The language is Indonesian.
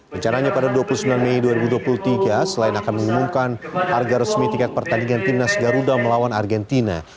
rencananya pada dua puluh sembilan mei dua ribu dua puluh tiga selain akan mengumumkan harga resmi tiket pertandingan timnas garuda melawan argentina